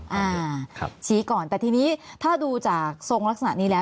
อ่าครับชี้ก่อนแต่ทีนี้ถ้าดูจากทรงลักษณะนี้แล้ว